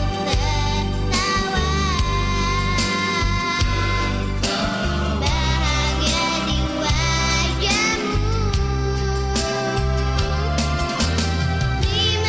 kau beri aku mama yang baik